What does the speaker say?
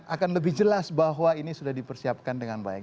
akan lebih jelas bahwa ini sudah dipersiapkan dengan baik